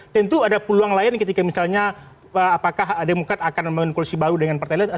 tentu ada peluang lain ketika misalnya apakah demokrat akan membangun koalisi baru dengan partai lain